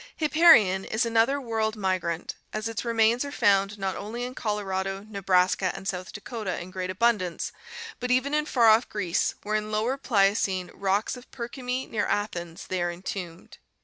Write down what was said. Hipparion is another world migrant, as its remains are found not only in Colorado, Nebraska, and South Dakota in great abundance, but even in far off Greece where in Lower Pliocene rocks of Pikermi near Athens they are entombed.